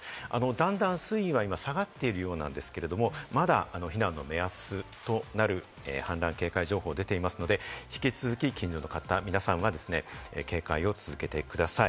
段々、水位が今下がっているようなんですけれども、まだ避難の目安となる氾濫警戒情報が出ていますので、引き続き近所の方、皆さんは警戒を続けてください。